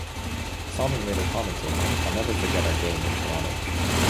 Salming later commented, I'll never forget our game in Toronto.